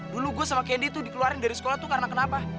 dulu gue sama kendi tuh dikeluarin dari sekolah tuh karena kenapa